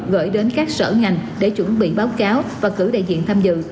gửi đến các sở ngành để chuẩn bị báo cáo và cử đại diện tham dự